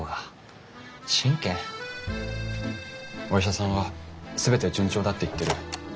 お医者さんは全て順調だって言ってる。